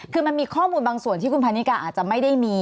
คือมันมีข้อมูลบางส่วนที่คุณพันนิกาอาจจะไม่ได้มี